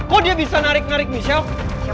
kok dia bisa narik narik michelle